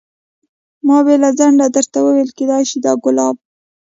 ما بې له ځنډه درته وویل کېدای شي دا ګلاب.